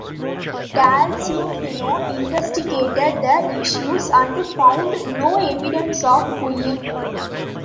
Dolcefino investigated the issue and found no evidence of bullying.